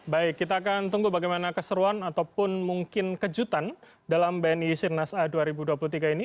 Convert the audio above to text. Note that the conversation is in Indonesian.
baik kita akan tunggu bagaimana keseruan ataupun mungkin kejutan dalam bni sirnas a dua ribu dua puluh tiga ini